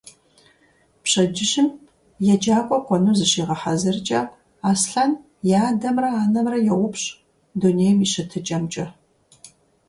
Пщэдджыжьым еджакӀуэ кӀуэну зыщигъэхьэзыркӀэ, Аслъэн и адэмрэ анэмрэ йоупщӀ дунейм и щытыкӀэмкӀэ.